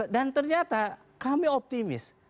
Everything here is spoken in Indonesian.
dan ternyata kami optimis